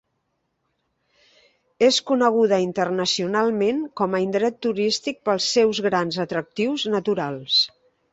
És coneguda internacionalment com a indret turístic pels seus grans atractius naturals.